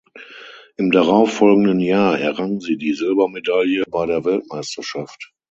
Im darauffolgenden Jahr errang sie die Silbermedaille bei der Weltmeisterschaft.